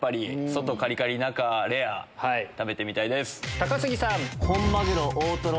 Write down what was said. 外カリカリ中レア食べてみたいです。